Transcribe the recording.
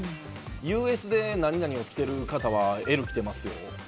ＵＳで何々を着ている方はＬを着てますよ。